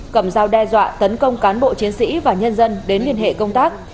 cầm dao đe dọa tấn công cán bộ chiến sĩ và nhân dân đến liên hệ công tác